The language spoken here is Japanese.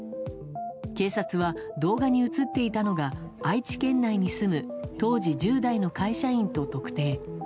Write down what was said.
警察は、動画に映っていたのが愛知県内に住む当時１０代の会社員と特定。